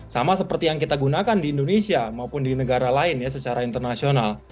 sama seperti yang kita gunakan di indonesia maupun di negara lain ya secara internasional